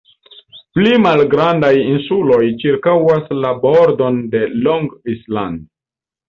Pli malgrandaj insuloj ĉirkaŭas la bordon de Long Island.